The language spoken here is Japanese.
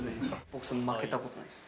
僕、負けたことないです。